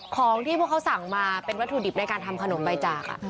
ของที่พวกเขาสั่งมาเป็นวัตถุดิบในการทำขนมใบจาก